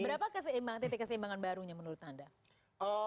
berapa titik keseimbangan barunya menurut anda